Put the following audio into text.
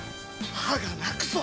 歯が泣くぞ！